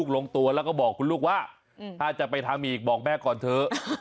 ลงตัวแล้วก็บอกคุณลูกว่าถ้าจะไปทำอีกบอกแม่ก่อนเถอะ